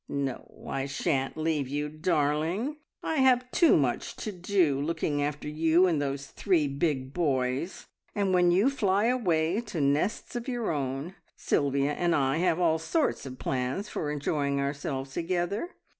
"No, I shan't leave you, darling. I have too much to do looking after you and those three big boys, and when you fly away to nests of your own, Sylvia and I have all sorts of plans for enjoying ourselves together.